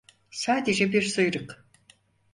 Sadece bir sıyrık.